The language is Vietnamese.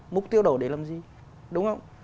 mục tiêu đổ để làm gì đúng không